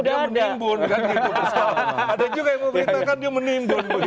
ada juga yang memberitakan dia menimbun begitu